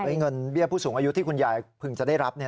เงินเบี้ยผู้สูงอายุที่คุณยายพึงจะได้รับ